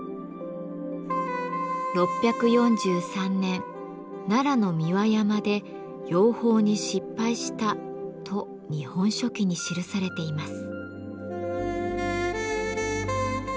６４３年奈良の三輪山で養蜂に失敗したと「日本書紀」に記されています。